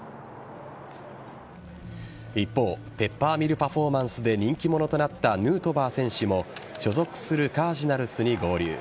一方ペッパーミルパフォーマンスで人気者となったヌートバー選手も所属するカージナルスに合流。